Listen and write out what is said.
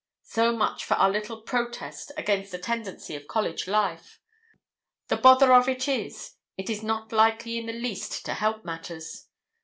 So much for our little protest against a tendency of college life. The bother of it is, it is not likely in the least to help matters.